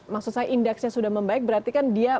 maksud saya indeksnya sudah membaik berarti kan dia